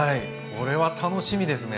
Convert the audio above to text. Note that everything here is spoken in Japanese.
これは楽しみですね。